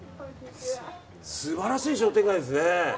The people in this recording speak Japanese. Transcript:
素晴らしい商店街ですね。